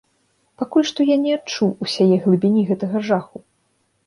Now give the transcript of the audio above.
Пакуль што я не адчуў усяе глыбіні гэтага жаху!